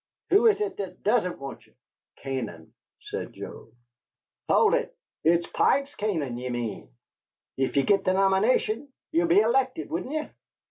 Who is it that doesn't want ye?" "Canaan," said Joe. "Hold up! It's Pike's Canaan ye mean. If ye git the nomination, ye'd be elected, wouldn't ye?"